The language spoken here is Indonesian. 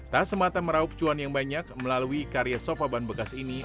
tak semata meraup cuan yang banyak melalui karya sopa ban bekas ini